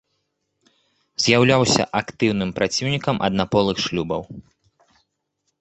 З'яўляўся актыўным праціўнікам аднаполых шлюбаў.